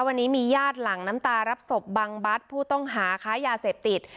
วันนี้มีญาติหลังน้ำตารับศพบังบัตรผู้ต้องหาค้ายาเสพติด